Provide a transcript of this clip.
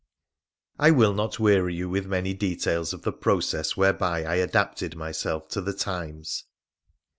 I will not weary you with many details of the process where by I adapted myself to the times.